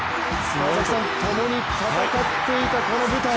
川崎さんともに戦っていたこの舞台。